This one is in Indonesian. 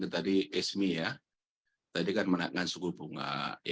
tadi esmi ya tadi kan menaikkan suku bunga